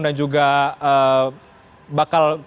dan juga bakal